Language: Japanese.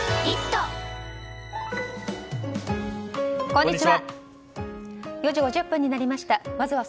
こんにちは。